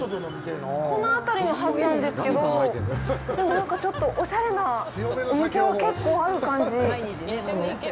このあたりのはずなんですけどでも、なんか、ちょっとおしゃれなお店が結構ある感じ。